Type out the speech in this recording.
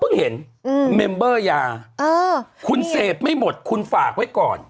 พึ่งเห็นอืมเมมเบอร์ยาเอออืมคุณเสพไม่หมดคุณฝากไว้ก่อน